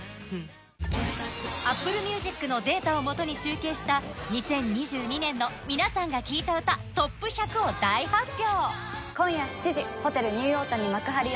ＡｐｐｌｅＭｕｓｉｃのデータを元に集計した２０２２年の皆さんが聴いた歌ＴＯＰ１００を大発表